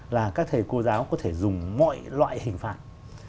là các thầy cô giáo có thể dùng mọi loại hình phạt